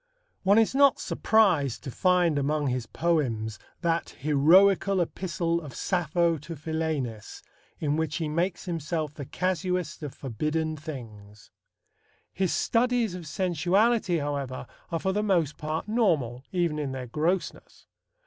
One is not surprised to find among his poems that "heroical epistle of Sappho to Philaenis," in which he makes himself the casuist of forbidden things. His studies of sensuality, however, are for the most part normal, even in their grossness.